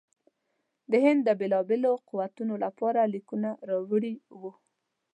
د هند د بېلو بېلو قوتونو لپاره لیکونه راوړي وه.